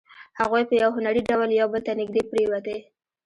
هغوی په یو هنري ډول یو بل ته نږدې پرېوتې